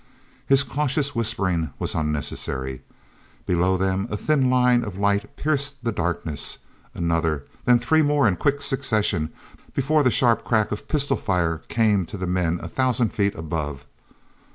is cautious whispering was unnecessary. Below them a thin line of light pierced the darkness; another; then three more in quick succession before the sharp crack of pistol fire came to the men a thousand feet above.